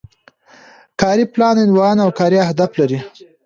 کاري پلان عنوان او کاري اهداف لري.